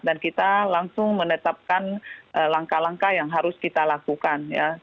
dan kita langsung menetapkan langkah langkah yang harus kita lakukan ya